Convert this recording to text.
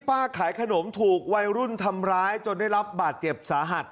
ขายขนมถูกวัยรุ่นทำร้ายจนได้รับบาดเจ็บสาหัส